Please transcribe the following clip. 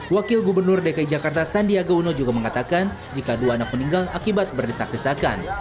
wakil gubernur dki jakarta sandiaga uno juga mengatakan jika dua anak meninggal akibat berdesak desakan